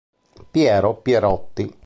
Piero Pierotti